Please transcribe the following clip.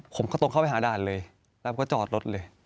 ผมก็ตรงเข้าไปหาด่านเลยแล้วก็จอดรถเลย